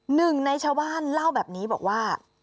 หนึ่งในชาวบ้านเล่าแบบนี้บอกว่า